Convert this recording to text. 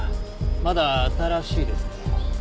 まだ新しいですね。